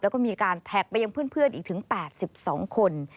แล้วก็มีการแท็กไปยังเพื่อนอีกถึง๘๒คน